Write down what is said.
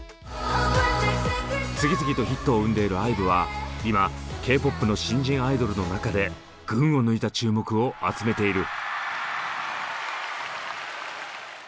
次々とヒットを生んでいるＩＶＥは今ＫーＰＯＰの新人アイドルの中で群を抜いた注目を集めている。